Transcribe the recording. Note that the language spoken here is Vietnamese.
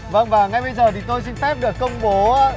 vâng và ngay bây giờ thì tôi xin phép được công bố